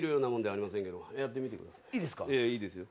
ええいいですよ。